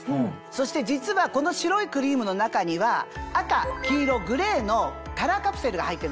そして実はこの白いクリームの中には赤黄色グレーのカラーカプセルが入ってるんですね。